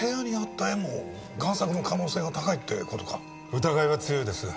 疑いは強いです。